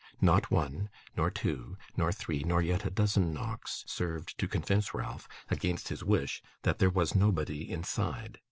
Not one, nor two, nor three, nor yet a dozen knocks, served to convince Ralph, against his wish, that there was nobody inside.